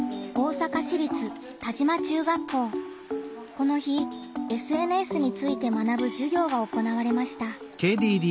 この日ＳＮＳについて学ぶ授業が行われました。